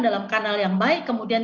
dalam kanal yang baik kemudian